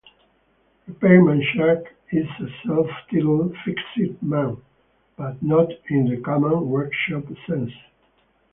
Repairman Jack is a self-titled "fix-it" man, but not in the common workshop sense.